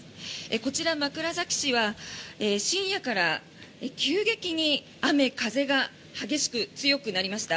こちら、枕崎市は深夜から急激に雨風が激しく、強くなりました。